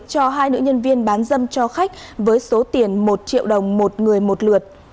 cho hai nữ nhân viên bán dâm cho khách với số tiền một triệu đồng một người một lượt